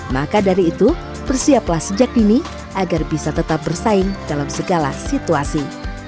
maka dari itu persiaplah sejak dini agar bisa tetap bersaing dalam segala situasi